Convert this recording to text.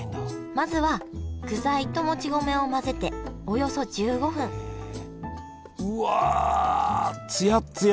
まずは具材ともち米を混ぜておよそ１５分うわつやっつや！